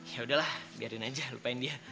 yaudah lah biarin aja lupain dia